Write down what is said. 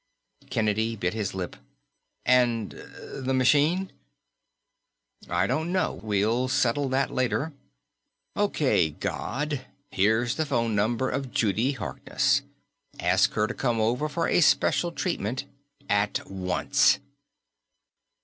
Kennedy bit his lip. "And the machine ?" "I don't know. We'll settle that later. Okay, God, here's the phone number of Judy Harkness. Ask her to come over for a special treatment. At once."